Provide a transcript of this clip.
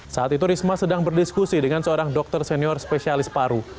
saat itu risma sedang berdiskusi dengan seorang dokter senior spesialis paru